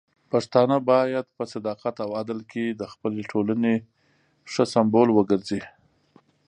پښتانه بايد په صداقت او عدل کې د خپلې ټولنې ښه سمبول وګرځي.